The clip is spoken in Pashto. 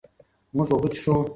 مونږ اوبه څښو.